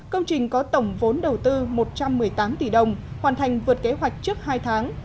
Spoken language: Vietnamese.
công trình có tổng vốn đầu tư một trăm một mươi tám tỷ đồng hoàn thành vượt kế hoạch trước hai tháng